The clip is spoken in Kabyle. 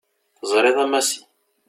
Teẓriḍ a Massi.